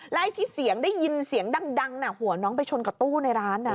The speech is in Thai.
และไอ้ที่เสียงได้ยินเสียงดังหัวน้องไปชนกับตู้ในร้านนะ